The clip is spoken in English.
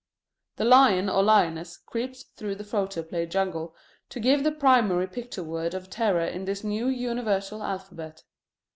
The lion or lioness creeps through the photoplay jungle to give the primary picture word of terror in this new universal alphabet.